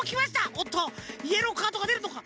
おっとイエローカードがでるのか？